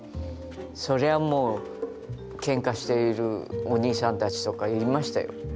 そりゃもうけんかしているお兄さんたちとかいましたよ。